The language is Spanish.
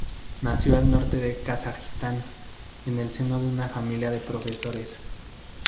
Nació al norte de Kazajistán, en el seno de una familia de profesores.